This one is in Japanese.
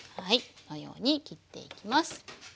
このように切っていきます。